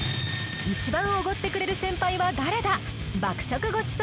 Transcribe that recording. １番奢ってくれる先輩は誰だ！